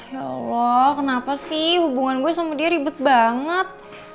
ya allah kenapa sih hubungan gue sama dia ribet banget